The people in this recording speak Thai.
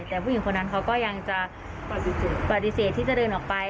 แต่ผู้หญิงคนนั้นเขาก็ยังจะปฏิเสธที่จะเดินออกไป